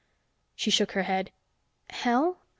She shook her head. "Hell?